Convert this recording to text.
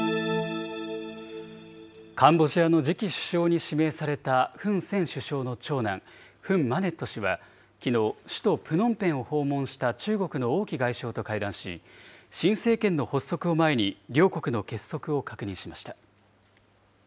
カンボジアの次期首相に指名されたフン・セン首相の長男、フン・マネット氏は、きのう、首都プノンペンを訪問した中国の王毅外相と会談し、新政権の発足を前に、両国の結束を確認しました。